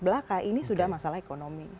belaka ini sudah masalah ekonomi